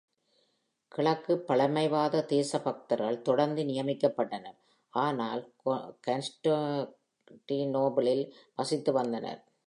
கிழக்கு பழமைவாத தேசபக்தர்கள் தொடர்ந்து நியமிக்கப்பட்டனர், ஆனால் கான்ஸ்டான்டினோபிளில் வசித்து வந்தனர்.